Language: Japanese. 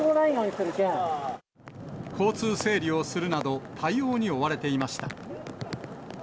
交通整理をするなど、対応に追われていました。